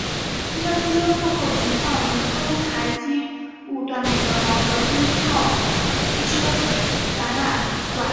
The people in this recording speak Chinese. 机车经修复后存放于丰台机务段内的毛泽东号机车展览馆。